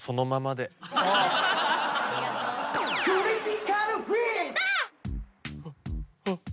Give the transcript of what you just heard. クリティカルフィット！